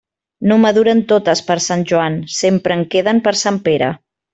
No maduren totes per Sant Joan; sempre en queden per Sant Pere.